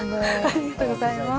ありがとうございます。